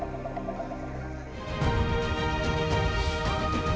isi kata beach itu berlasa bisa kalung